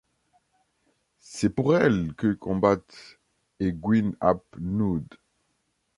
C'est pour elle que combattent et Gwynn ap Nudd.